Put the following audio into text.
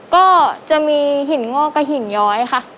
ก็จะมีหินงอกกับหินย้อยค่ะ